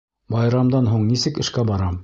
Байрамдан һуң нисек эшкә барам?